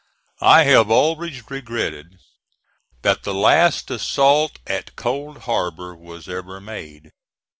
I have always regretted that the last assault at Cold Harbor was ever made.